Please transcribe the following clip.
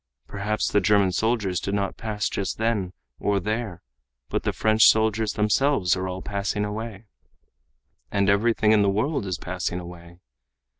Perhaps the German soldiers did not pass just then or there. But the French soldiers themselves are all passing away. And everything in the world is passing away.